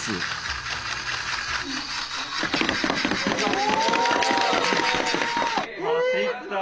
お！